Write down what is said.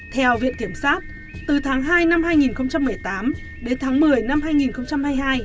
theo viện kiểm sát từ tháng hai năm hai nghìn một mươi tám đến tháng một mươi năm hai nghìn hai mươi hai